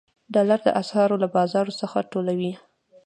ډالر د اسعارو له بازار څخه ټولوي.